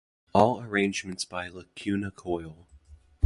All arrangements by Lacuna Coil.